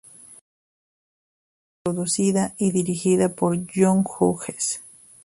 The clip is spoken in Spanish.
Fue escrita, producida y dirigida por John Hughes.